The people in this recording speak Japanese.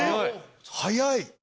早い！